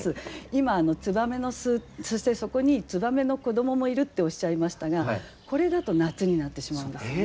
今燕の巣そしてそこに燕の子どももいるっておっしゃいましたがこれだと夏になってしまうんですね。